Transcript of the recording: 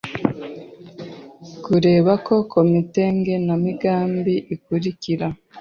Kureba ko Komite Ngenamigambi ikurikira